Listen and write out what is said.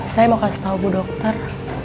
saya mau kasih tahu bu dokter